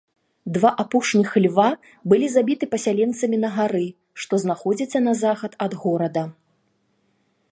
Два апошніх льва былі забіты пасяленцамі на гары, што знаходзіцца на захад ад горада.